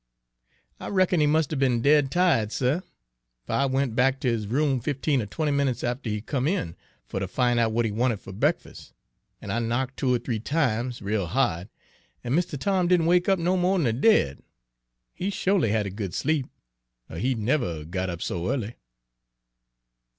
"I reckon he must 'a' be'n dead ti'ed, suh, fer I went back ter his room fifteen er twenty minutes after he come in fer ter fin' out w'at he wanted fer breakfus'; an' I knock' two or three times, rale ha'd, an' Mistuh Tom didn' wake up no mo' d'n de dead. He sho'ly had a good sleep, er he'd never 'a' got up so ea'ly."